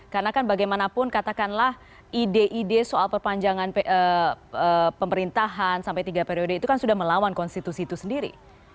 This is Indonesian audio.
karena kan bagaimanapun katakanlah ide ide soal perpanjangan pemerintahan sampai tiga periode itu kan sudah melawan konstitusi itu sendiri